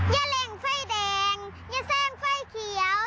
ยะเร่งไฟแดงยะแซ่งไฟเขียว